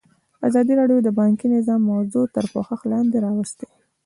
ازادي راډیو د بانکي نظام موضوع تر پوښښ لاندې راوستې.